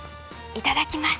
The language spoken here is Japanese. いただきます。